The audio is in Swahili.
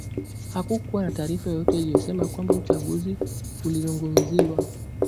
Hakukuwa na taarifa yoyote iliyosema kwamba uchaguzi ulizungumziwa